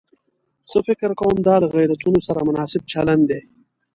زه فکر کوم دا له غیرتونو سره نامناسب چلن دی.